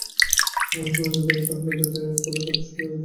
সহসা শুনিতে পাইলেন, তাঁহার বাতায়নের নীচে হইতে কে কাতরস্বরে ডাকিতেছে, মহারাজ!